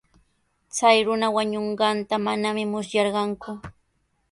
Chay runa wañunqanta manami musyarqaaku.